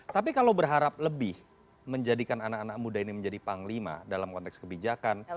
tapi kalau berharap lebih menjadikan anak anak muda ini menjadi panglima dalam konteks kebijakan